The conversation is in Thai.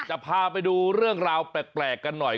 จะพาไปดูเรื่องราวแปลกกันหน่อย